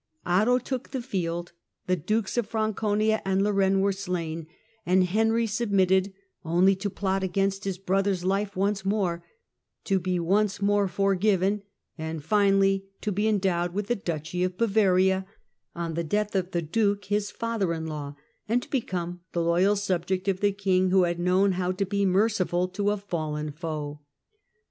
Otto took the field, the dukes of Franconia and Lorraine were slain, and Henry sub mitted, only to plot against his brother's life once more, to be once more forgiven, and finally to be endowed with the duchy of Bavaria on the death of the duke his father in law, and to become the loyal subject of the king who had known how to be merciful to a fallen foe.